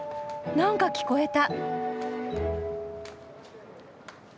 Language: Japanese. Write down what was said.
なんか聞こえた。